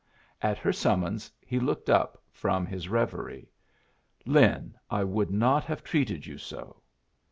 At her summons he looked up from his revery. "Lin, I would not have treated you so."